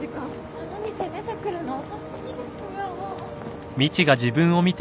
あの店出てくるの遅過ぎですよ。